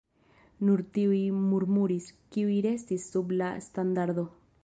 Nur tiuj murmuris, kiuj restis sub la standardo.